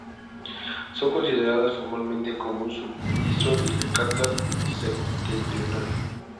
Son consideradas formalmente como un subdistrito de Yakarta Septentrional.